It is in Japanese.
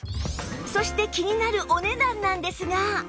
そして気になるお値段なんですが